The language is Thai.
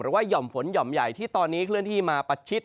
หย่อมฝนหย่อมใหญ่ที่ตอนนี้เคลื่อนที่มาประชิด